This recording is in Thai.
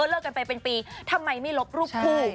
เลิกกันไปเป็นปีทำไมไม่ลบรูปคู่